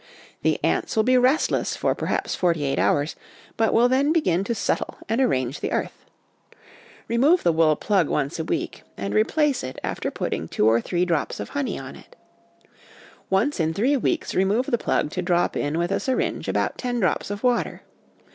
The ants will be restless for perhaps forty eight hours, but will then begin to settle and arrange the earth. Remove the wool plug once a week, and replace it alter putting 58 HOME EDUCATION two or three drops of honey on it. Once in three weeks remove the plug to drop in with a syringe about ten drops of water.